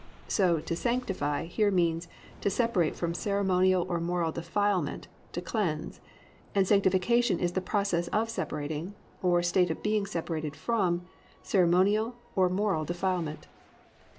So to sanctify here _means to separate from ceremonial or moral defilement, to cleanse; and Sanctification is the process of separating, or state of being separated from ceremonial or moral defilement_.